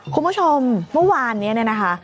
คุณผู้ชมเมื่อวานนี้นะคะ